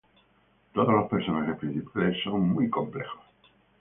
Todos los personajes principales son muy complejos.